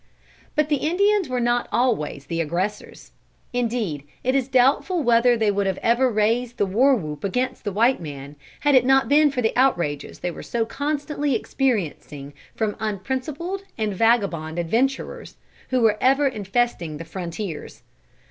But the Indians were not always the aggressors. Indeed it is doubtful whether they would ever have raised the war whoop against the white man, had it not been for the outrages they were so constantly experiencing from unprincipled and vagabond adventurers, who were ever infesting the frontiers.